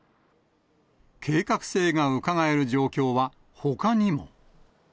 計画性がうかがえる状況は、ほかにも。